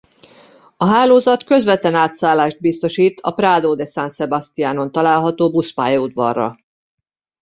A hálózat közvetlen átszállást biztosít a Prado de San Sebastiánon található buszpályaudvarra.